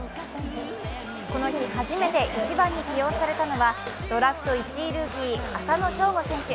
この日始めて１番に起用されたのはドラフト１位ルーキー・浅野翔吾選手。